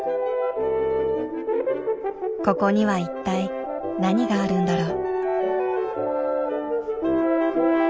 ここには一体何があるんだろう？